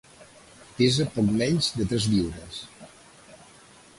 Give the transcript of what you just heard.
Pesa poc menys de tres lliures.